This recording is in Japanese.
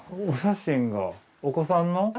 お写真がお子さんの？